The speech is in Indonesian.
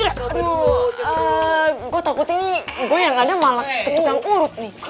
aduh gue takut ini gue yang ada malah kepedang urut nih